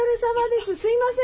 すいません